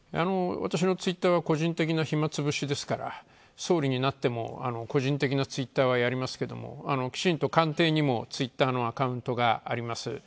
私のツイッターは私の個人的な暇つぶしですから総理になっても個人的なツイッターはやりますけどもきちんと官邸にもツイッターのアカウントがあります。